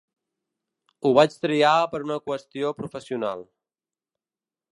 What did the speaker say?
Ho vaig triar per una qüestió professional.